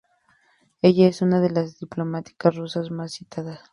Ella es una de las diplomáticas rusas más citadas.